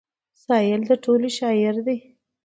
سايل د ټولو شاعر دی.